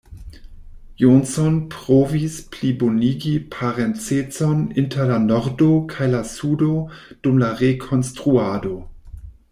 Johnson provis plibonigi parencecon inter la Nordo kaj la Sudo dum la Rekonstruado.